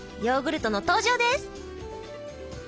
ヨーグルトの登場です。